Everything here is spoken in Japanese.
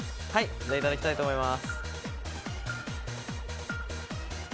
じゃあ、いただきたいと思います。